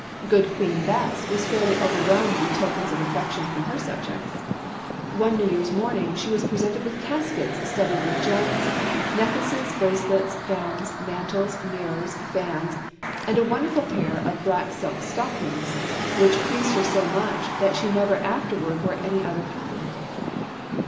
"Good Queen Bess" was fairly overwhelmed with tokens of affection from her subjects. One New Year's morning, she was presented with caskets studded with gems, necklaces, bracelets, gowns, mantles, mirrors, fans, and a wonderful pair of black silk stockings, which pleased her so much that she never afterward wore any other kind.